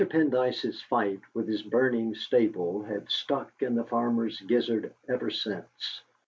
Pendyce's fight with his burning stable had stuck in the farmer's "gizzard" ever since.